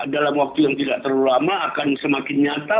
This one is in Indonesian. dalam waktu yang tidak terlalu lama akan semakin nyata